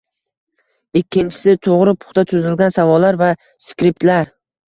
ikkinchisi, toʻgʻri, puxta tuzilgan savollar va skriptlar.